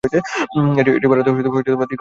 এটি ভারতের দীর্ঘতম পাইপলাইন।